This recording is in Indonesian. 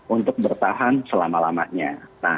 untuk bertahan selama lamanya